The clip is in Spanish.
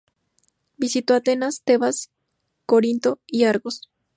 Visitó Atenas, Tebas, Corinto, y Argos.